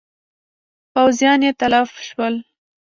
پوځیان یې تلف شول.